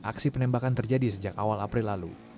hal ini telah terjadi sejak awal april lalu